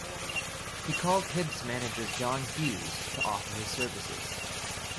He called Hibs manager John Hughes to offer his services.